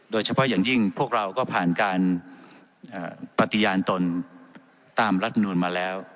โดยเฉพาะอย่างยิ่งพวกเราก็ผ่านการปฏิญาณตนตามรัฐมนูลมาแล้ว